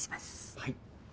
はい。